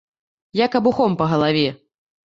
Як абухом па галаве.